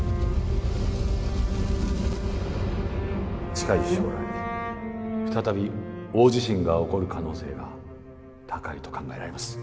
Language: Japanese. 近い将来再び大地震が起こる可能性が高いと考えられます。